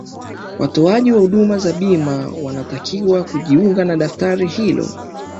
watoaji wa huduma za bima wanatakiwa kujiunga na daftari hilo